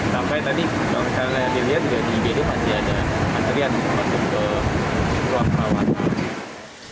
sampai tadi kalau misalnya dilihat di bd masih ada antrian masuk ke ruang perawatan